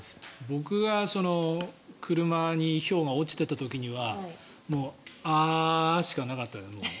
僕が車にひょうが落ちていた時にはあーしかなかった、もう。